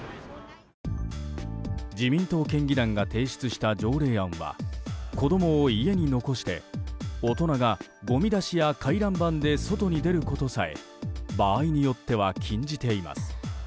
自民党県議団が提出した条例案は子供を家に残して大人がごみ出しや回覧板で外に出ることさえ場合によっては禁じています。